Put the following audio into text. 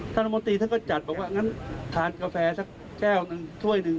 รัฐมนตรีท่านก็จัดบอกว่างั้นทานกาแฟสักแก้วหนึ่งถ้วยหนึ่ง